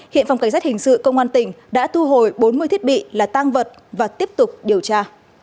hiện phòng cảnh sát hình sự công an tỉnh đã thu hồi bốn mươi thiết bị là tang vật và tiếp tục điều tra